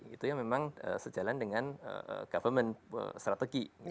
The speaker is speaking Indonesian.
itu yang memang sejalan dengan government strategi